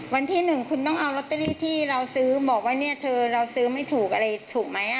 วันที่๑คุณต้องเอาลอตเตอรี่ที่เราซื้อบอกว่าเนี่ยเธอเราซื้อไม่ถูกอะไรถูกไหม